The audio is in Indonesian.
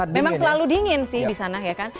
memang selalu dingin sih di sana ya kan